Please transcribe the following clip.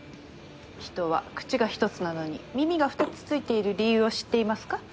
人は口が１つなのに耳が２つ付いている理由を知っていますか？